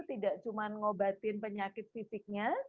tidak cuma ngobatin penyakit fisiknya